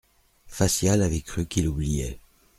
Facial avait cru qu'il oubliait.